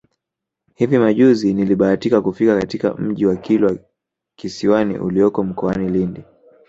Hivi majuzi nilibahatika kufika katika Mji wa Kilwa Kisiwani ulioko mkoani Lindi